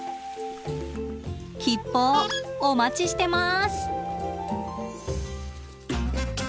吉報お待ちしてます。